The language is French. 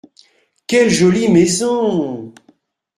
Quelle jolie maison !